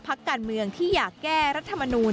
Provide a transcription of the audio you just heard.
พักการเมืองที่อยากแก้รัฐมนูล